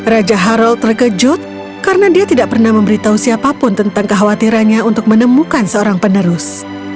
raja haral terkejut karena dia tidak pernah memberitahu siapapun tentang kekhawatirannya untuk menemukan seorang penerus